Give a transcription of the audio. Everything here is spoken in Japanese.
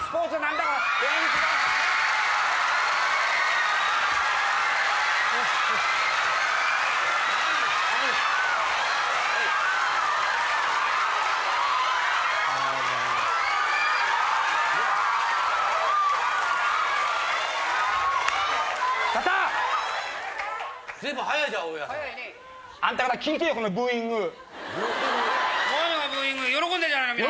何がブーイング喜んでんじゃないみんな。